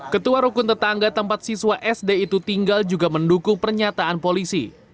ketua rukun tetangga tempat siswa sd itu tinggal juga mendukung pernyataan polisi